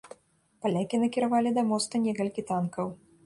Палякі накіравалі да моста некалькі танкаў.